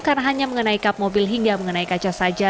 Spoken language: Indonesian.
karena hanya mengenai kap mobil hingga mengenai kaca saja